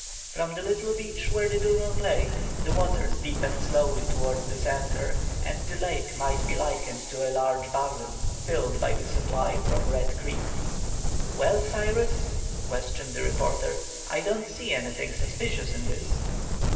From the little beach where the dugong lay, the waters deepened slowly towards the centre, and the lake might be likened to a large basin, filled by the supply from Red Creek. "Well, Cyrus," questioned the reporter, "I don't see anything suspicious in this?"